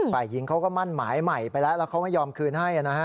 ฝ่ายหญิงเขาก็มั่นหมายใหม่ไปแล้วแล้วเขาไม่ยอมคืนให้นะฮะ